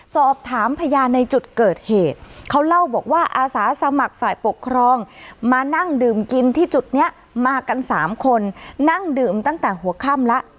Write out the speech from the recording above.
สอบถามพยานในจุดเกิดเหตุเขาเล่าบอกว่าอาสาสมัครฝ่ายปกครองมานั่งดื่มกินที่จุดนี้มากันสามคนนั่งดื่มตั้งแต่หัวค่ำแล้ว